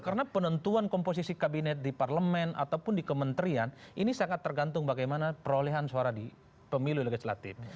karena penentuan komposisi kabinet di parlemen ataupun di kementerian ini sangat tergantung bagaimana perolehan suara di pemilu legislatif